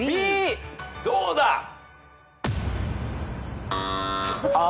どうだ？あ！